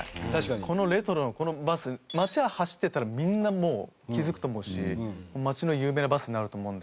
このレトロなこのバス町走ってたらみんなもう気づくと思うし町の有名なバスになると思うんで。